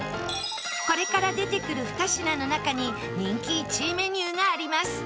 これから出てくる２品の中に人気１位メニューがあります